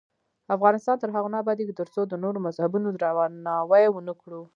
افغانستان تر هغو نه ابادیږي، ترڅو د نورو مذهبونو درناوی ونکړو.